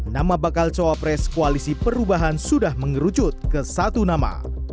nama bakal cawapres koalisi perubahan sudah mengerucut ke satu nama